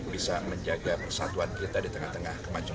bisa menjaga persatuan kita di tengah tengah kemajuan